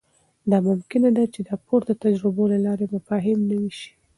دا ممکنه ده چې د پورته تجربو له لارې مفاهیم نوي سي.